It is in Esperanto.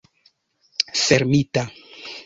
fermita